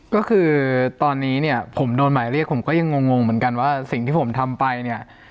ก็คือตอนนี้เนี่ยผมโดนหมายเรียกผมก็ยังงงเหมือนกันว่าสิ่งที่ผมทำไปเนี่ย